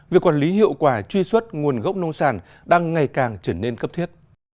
việc quản lý hiệu quả truy xuất nguồn gốc nông sản đang ngày càng trở nên cấp thiết